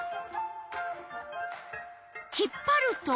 引っぱると。